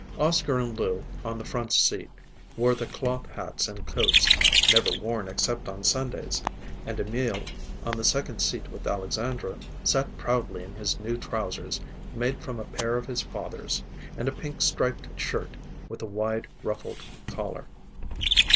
Oscar and Lou, on the front seat, wore their cloth hats and coats, never worn except on Sundays, and Emil, on the second seat with Alexandra, sat proudly in his new trousers, made from a pair of his father's, and a pink striped shirt, with a wide ruffled collar.